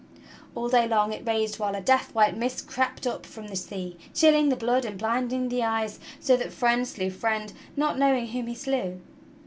All day long it raged while a death white mist crept up from the sea, chilling the blood and blinding the eyes, so that friend slew friend, not knowing whom he slew.